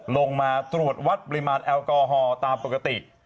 ลงมาตรวจวัดปริมาณแอลกอฮอล์ตามปกติ